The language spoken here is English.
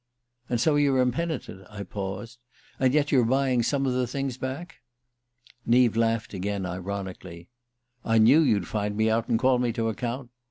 "And so you're impenitent?" I paused. "And yet you're buying some of the things back?" Neave laughed again, ironically. "I knew you'd find me out and call me to account.